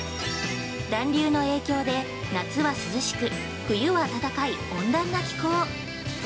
暖流の影響で、夏は涼しく冬は暖かい温暖な気候。